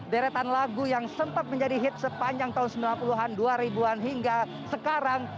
deretan lagu yang sempat menjadi hit sepanjang tahun sembilan puluh an dua ribu an hingga sekarang